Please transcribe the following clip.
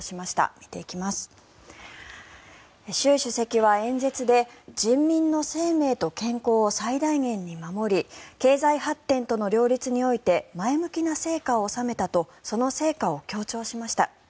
習主席は演説で人民の生命と健康を最大限に守り経済発展との両立において前向きな成果を収めたとその成果を強調しました。